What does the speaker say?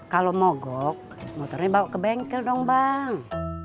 kalau mogok motornya bawa ke bengkel dong bang